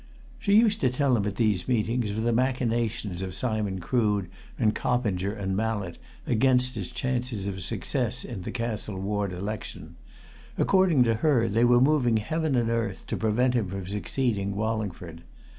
She used to tell him at these meetings of the machinations of Simon Crood and Coppinger and Mallett against his chances of success in the Castle Ward election: according to her they were moving heaven and earth to prevent him from succeeding Wallingford.